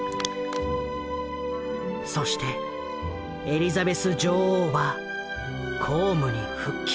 そしてエリザベス女王は公務に復帰。